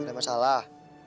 tidak ada masalah